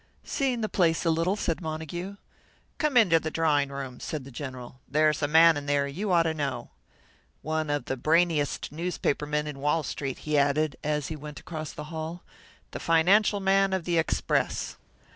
"Seeing the place a little," said Montague. "Come into the drawing room," said the General. "There's a man in there you ought to know. "One of the brainiest newspaper men in Wall Street," he added, as he went across the hall, "the financial man of the Express."